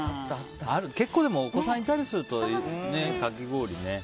結構、お子さんがいたりするとかき氷ね。